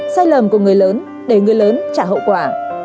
sai lầm của người lớn để người lớn trả hậu quả